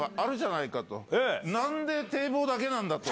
なんで堤防だけなんだと。